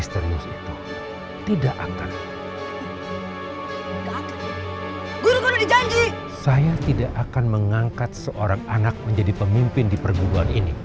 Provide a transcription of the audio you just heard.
saya tidak akan mengangkat seorang anak menjadi pemimpin di perguruan ini